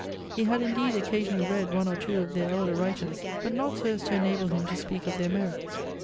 He had indeed occasionally read one or two of their elder writers, but not so as to enable him to speak of their merits.